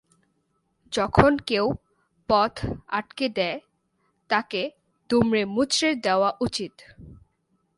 যখন কেউ পথ আঁটকে দেয়, তাকে দুমড়েমুচড়ে দেওয়া উচিৎ।